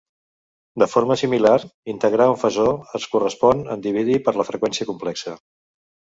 De forma similar, integrar un fasor es correspon en dividir per la freqüència complexa.